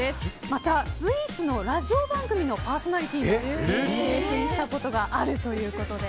また、スイーツのラジオ番組のパーソナリティーも経験したことがあるということで。